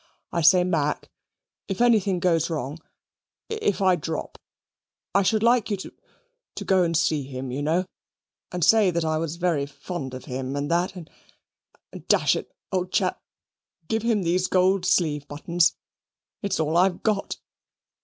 "I say, Mac, if anything goes wrong if I drop I should like you to to go and see him, you know, and say that I was very fond of him, and that. And dash it old chap, give him these gold sleeve buttons: it's all I've got."